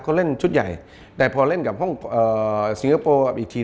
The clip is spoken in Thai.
เขาเล่นชุดใหญ่แต่พอเล่นกับห้องสิงคโปร์อีกที